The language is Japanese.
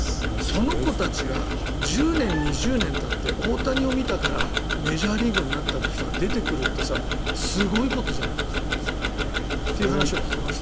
その子たちが１０年、２０年たって大谷を見たからメジャーリーガーになったって人が出てくるってさすごいことじゃない？という話を聞きました。